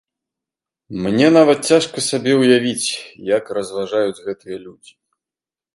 Мне нават цяжка сабе ўявіць, як разважаюць гэтыя людзі.